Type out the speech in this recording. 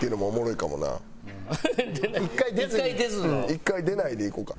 １回出ないでいこうか。